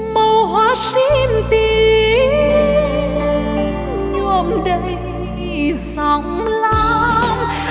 màu hoa xinh tím nhuộm đầy dòng láng